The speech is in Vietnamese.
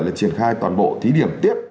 đã triển khai toàn bộ thí điểm tiếp